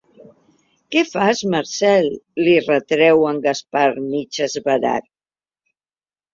Què fas, Marcel? —li retreu el Gaspar, mig esverat—.